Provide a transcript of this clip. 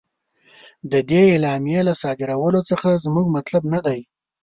د دې اعلامیې له صادرولو څخه زموږ مطلب نه دی.